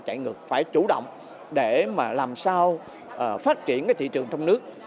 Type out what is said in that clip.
chạy ngược phải chủ động để mà làm sao phát triển cái thị trường trong nước